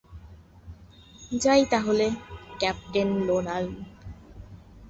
যাই তাহলে, captain Nolan.